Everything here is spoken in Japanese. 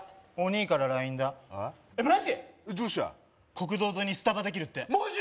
国道沿いにスタバできるってマジ！？